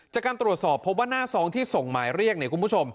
จากการตรวจสอบพบว่าหน้าทรองที่ส่งหมายเรียก